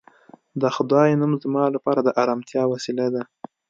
د خدای نوم زما لپاره د ارامتیا وسیله ده